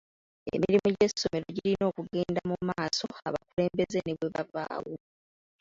Emirimu gy'essomero girina okugenda mu maaso abakulembeze ne bwe bavaawo.